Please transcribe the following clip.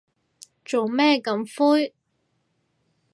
做咩咁灰